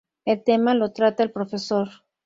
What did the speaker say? El tema lo trata el Prof.